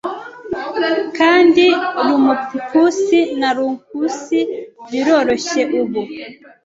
Kandi rumpusi na ruckusi biroroshye ubu